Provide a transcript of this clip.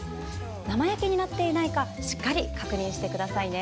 生焼けになっていないかしっかり確認してくださいね。